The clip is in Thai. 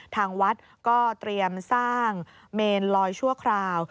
ทางวัดก็เตรียมสร้างเมนลอยชั่วคราว